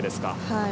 はい。